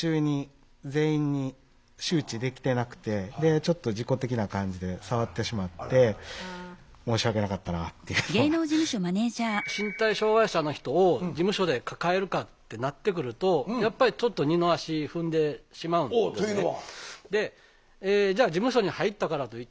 ちょっと事故的な感じで身体障害者の人を事務所で抱えるかってなってくるとやっぱりちょっと二の足踏んでしまうんですね。というのは？